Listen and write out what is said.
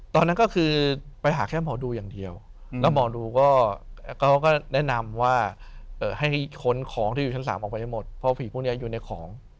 ตอนนั้นก็คือไปหาแค่หมอดูอย่างเดียวแล้วหมอดูเขาก็แนะนำว่าให้ขนของที่อยู่ชั้น๓ออกไปให้หมดเพราะผีพวกนี้อยู่ในของ